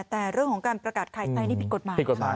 แต่เรื่องของการประกาศขายไตนี่เป็นแบบปิดกฎหมาย